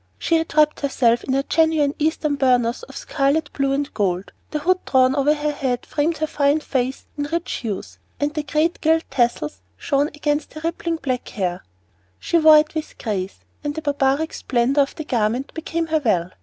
She had wrapped herself in a genuine Eastern burnous of scarlet, blue, and gold; the hood drawn over her head framed her fine face in rich hues, and the great gilt tassels shone against her rippling black hair. She wore it with grace, and the barbaric splendor of the garment became her well.